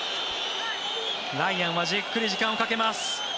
ライアンはじっくり時間をかけます。